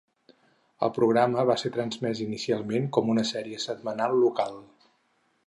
El programa va ser transmès inicialment com una sèrie setmanal local.